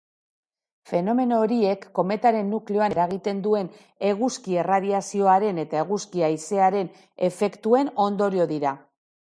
Fenomeno horiek kometaren nukleoan eragiten duen eguzki erradiazioaren eta eguzki haizearen efektuen ondorio dira.